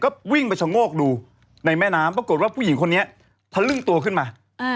ก็วิ่งไปชะโงกดูในแม่น้ำปรากฏว่าผู้หญิงคนนี้ทะลึ่งตัวขึ้นมา